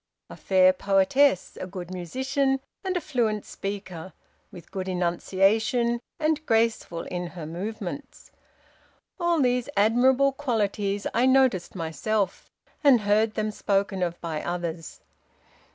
A fair poetess, a good musician, and a fluent speaker, with good enunciation, and graceful in her movements. All these admirable qualities I noticed myself, and heard them spoken of by others.